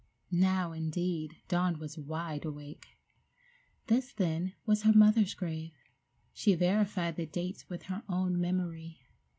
_ Now, indeed, Dawn was wide awake! This, then, was her mother's grave. She verified the dates with her own memory.